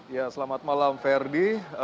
ya selamat malam ferdi